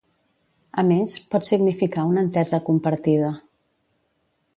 A més, pot significar una entesa compartida.